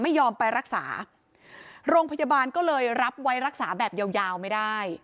ไม่ยอมไปรักษาโรงพยาบาลก็เลยรับไว้รักษาแบบยาวยาวไม่ได้